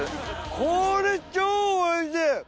これ超おいしい！